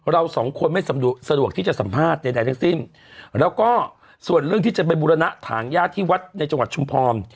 เราสองคนไม่สะดวกที่จะสัมภาษณ์ใดทั้งสิ้นแล้วก็ส่วนเรื่องที่จะไปบุรณะถางญาติที่วัดในจังหวัดชุมพร